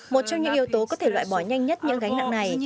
một trong những yếu tố có thể loại bỏ nhanh nhất những gánh nặng này